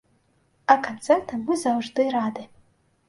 А канцэртам мы заўжды рады!